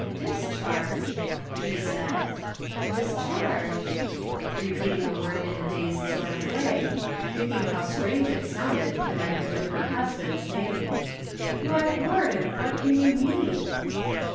" Discharged !" she said. " Discharged !" repeating the word in a dazed sort of way, thinking how strange it sounded connected with her husband's name. " Why, Warren, what can you mean